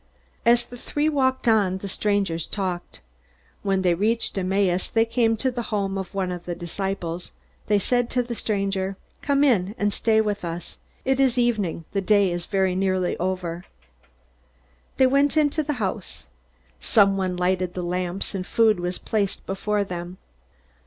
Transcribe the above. As the three walked on, the stranger talked. When they reached Emmaus, they came to the home of one of the disciples. They said to the stranger: "Come in and stay with us. It is evening. The day is nearly over." They went into the house. Someone lighted the lamps, and food was placed before them.